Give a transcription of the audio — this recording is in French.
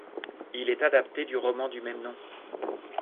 Il est adapté du roman du même nom.